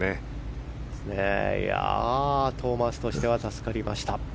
トーマスとしては助かりました。